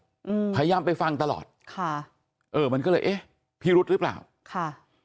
อืมพยายามไปฟังตลอดค่ะเออมันก็เลยเอ๊ะพิรุษหรือเปล่าค่ะ